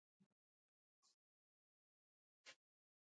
سنگ مرمر د افغانستان د فرهنګي فستیوالونو برخه ده.